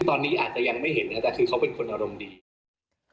ตอนนี้อาจจะยังไม่เห็นแต่เขาเป็นคนอารมณ์ดี